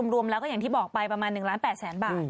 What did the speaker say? รวมแล้วก็อย่างที่บอกไปประมาณ๑ล้าน๘แสนบาท